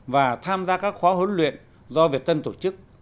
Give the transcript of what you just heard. và tham gia các khóa huấn luyện do việt tân tổ chức